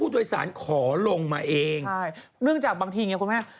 ใช่เนื่องจากบางทีนี่คุณแม่